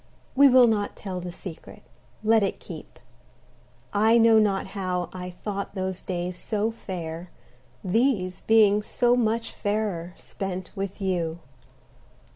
We will not tell the secret let it keep. I know not how I thought those days so fair These being so much fairer, spent with you.